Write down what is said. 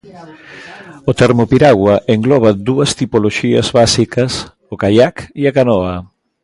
O termo piragua engloba dúas tipoloxías básicas: o caiac e a canoa.